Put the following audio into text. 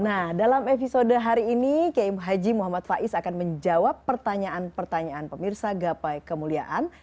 nah dalam episode hari ini k h m fais akan menjawab pertanyaan pertanyaan pemirsa gapai kemuliaan